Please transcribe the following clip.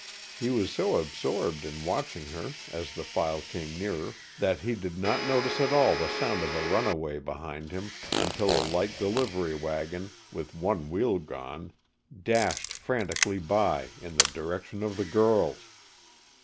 He was so absorbed in watching her as the file came nearer that he did not notice at all the sound of a runaway behind him until a light delivery wagon, with one wheel gone, dashed frantically by, in the direction of the girls.